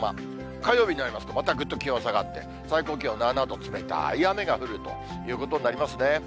火曜日になりますと、またぐっと気温は下がって、最高気温７度、冷たい雨が降るということになりますね。